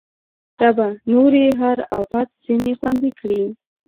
ربه! نور یې هر اپت ځنې خوندي کړې